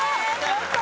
やった！